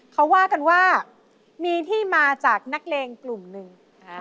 เขาว่ากันว่ามีที่มาจากนักเลงกลุ่มหนึ่ง